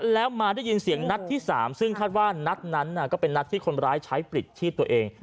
แล้วมาได้ยินเสียงนัดที่๓ซึ่งคาดว่านัดนั้นก็เป็นนัดที่คนร้ายใช้ปลิดชีพตัวเอง